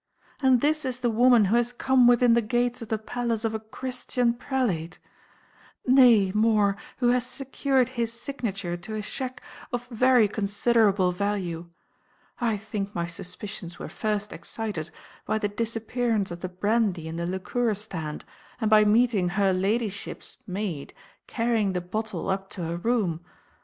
And this is the woman who has come within the gates of the palace of a Christian prelate; nay, more, who has secured his signature to a cheque of very considerable value. I think my suspicions were first excited by the disappearance of the brandy in the liqueur stand, and by meeting "her ladyship's" maid carrying the bottle up to her room!